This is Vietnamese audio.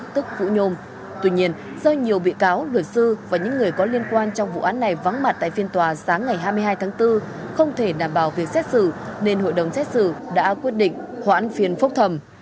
tuy nhiên do nhiều bị cáo luật sư và những người có liên quan trong vụ án này vắng mặt tại phiên tòa sáng ngày hai mươi hai tháng bốn không thể đảm bảo việc xét xử nên hội đồng xét xử đã quyết định hoãn phiên phúc thầm